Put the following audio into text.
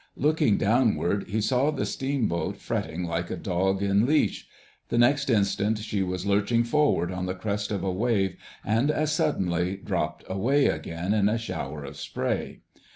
Looking downward, he saw the steamboat fretting like a dog in leash; the next instant she was lurching forward on the crest of a wave and as suddenly dropped away again in a shower of spray.